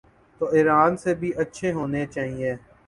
تو ایران سے بھی اچھے ہونے چائیں۔